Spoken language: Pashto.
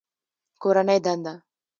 کورنۍ دنده